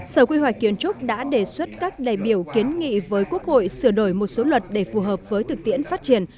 sở quy hoạch kiến trúc đã đề xuất các đại biểu kiến nghị với quốc hội sửa đổi một số luật để phù hợp với thực tiễn phát triển